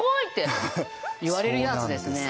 言われるやつですね。